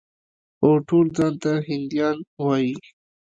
خو ټول ځان ته هندیان وايي.